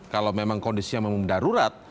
kalau memang kondisi yang memang darurat